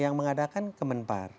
yang mengadakan kemenpar